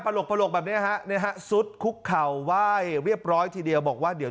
หลกแบบนี้ฮะเนี่ยฮะซุดคุกเข่าไหว้เรียบร้อยทีเดียวบอกว่าเดี๋ยว